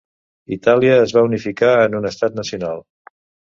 Itàlia es va unificar en un estat nacional.